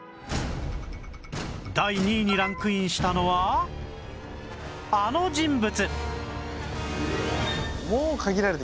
第２位にランクインしたのはあの人物